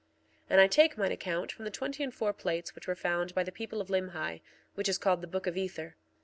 1:2 And I take mine account from the twenty and four plates which were found by the people of Limhi, which is called the Book of Ether.